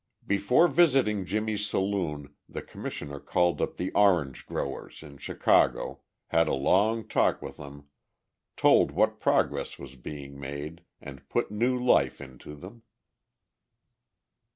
Before visiting Jimmie's saloon the Commissioner called up the "Orange Growers" in Chicago, had a long talk with them, told what progress was being made, and put new life into them.